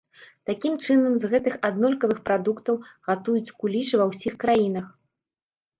Такім чынам з гэтых аднолькавых прадуктаў гатуюць куліч ва ўсіх краінах.